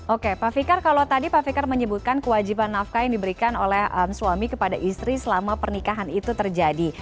oke pak fikar kalau tadi pak fikar menyebutkan kewajiban nafkah yang diberikan oleh suami kepada istri selama pernikahan itu terjadi